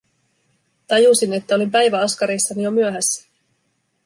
Tajusin, että olin päiväaskareissani jo myöhässä.